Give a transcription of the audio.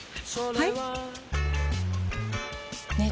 はい！